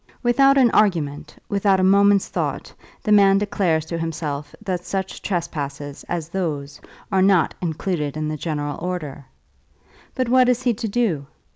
Without an argument, without a moment's thought, the man declares to himself that such trespasses as those are not included in the general order. But what is he to do?